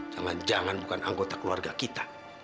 jangan jangan bukan anggota keluarga kita